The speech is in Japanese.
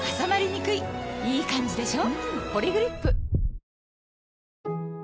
いいカンジでしょ？